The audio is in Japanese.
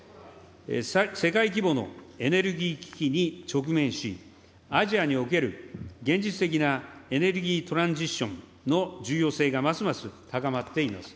世界規模のエネルギー危機に直面し、アジアにおける現実的なエネルギートランジションの重要性がますます高まっています。